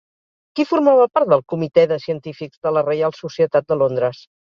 Qui formava part del comitè de científics de la Reial Societat de Londres?